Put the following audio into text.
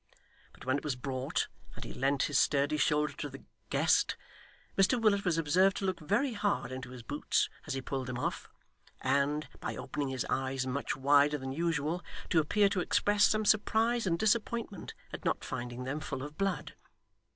But when it was brought, and he leant his sturdy shoulder to the guest, Mr Willet was observed to look very hard into his boots as he pulled them off, and, by opening his eyes much wider than usual, to appear to express some surprise and disappointment at not finding them full of blood.